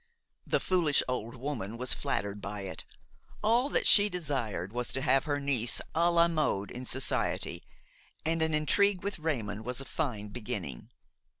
The foolish old woman was flattered by it; all that she desired was to have her niece à la mode in society, and an intrigue with Raymon was a fine beginning.